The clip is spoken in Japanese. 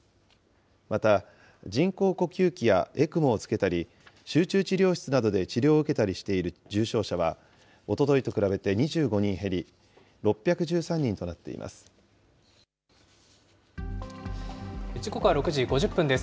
また、人工呼吸器やＥＣＭＯをつけたり、集中治療室などで治療を受けたりしている重症者は、おとといと比べて２５人減り、６１３人となっています。